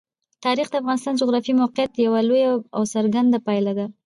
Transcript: تاریخ د افغانستان د جغرافیایي موقیعت یوه لویه او څرګنده پایله ده.